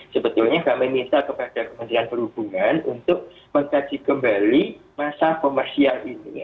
sebetulnya kami minta kepada kementerian perhubungan untuk mengkaji kembali masa komersial ini